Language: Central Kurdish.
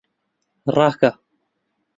ڕاکە!